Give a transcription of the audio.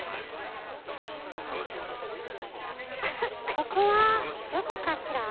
ここはどこかしら？